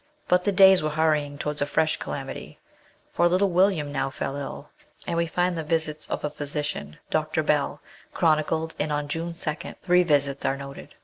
But the days were hurrying towards a fresh calamity, for little "William now fell ill, {and we find the visits of a 138 MRS. SHELLEY. physician, Dr. Bell, chronicled, and on June 2nd three visits are noted.